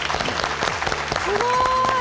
すごい。